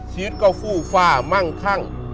ชีวิตก็ฟู่ฟ่ามั่งคั่ง